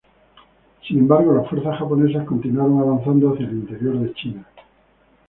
Sin embargo, las fuerzas japonesas continuaron avanzando hacia el interior de China.